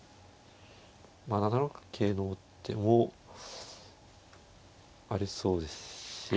まあ７六桂の王手もありそうですし。